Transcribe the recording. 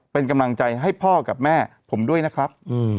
เป็นกำลังใจให้พ่อกับแม่ผมด้วยนะครับ